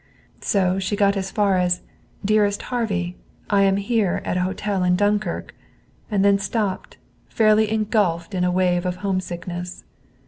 So she got as far as: "Dearest Harvey: I am here in a hotel at Dunkirk" and then stopped, fairly engulfed in a wave of homesickness.